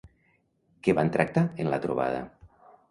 Què van tractar en la trobada?